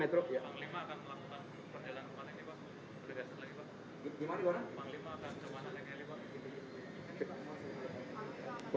melakukan perjalanan ke mana ini pak